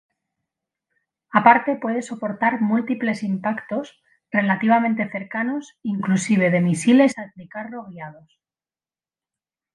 Aparte puede soportar múltiples impactos relativamente cercanos inclusive de misiles anticarro guiados.